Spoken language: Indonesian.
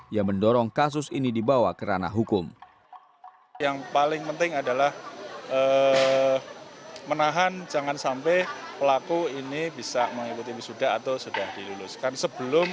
yang mendorong kasus ini dibawa ke ranah hukum